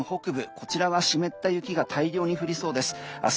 こちらは湿った雪が大量に降りそうです。